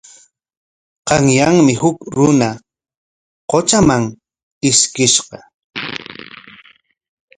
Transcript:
Qanyanmi huk runa qutraman ishkishqa.